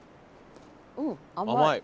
うん甘い。